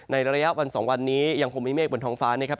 ในระยะวัน๒วันนี้ยังคงมีเมฆบนท้องฟ้านะครับ